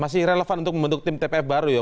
masih relevan untuk membentuk tim tpf baru ya